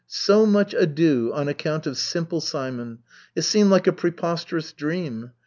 So much ado on account of Simple Simon! It seemed like a preposterous dream.